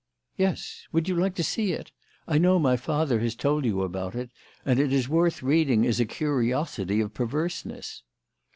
"Yes. Would you like to see it? I know my father has told you about it, and it is worth reading as a curiosity of perverseness."